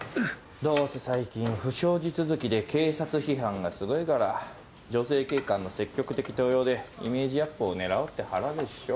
どうせ最近不祥事続きで警察批判がすごいから女性警官の積極的登用でイメージアップを狙おうって腹でしょ。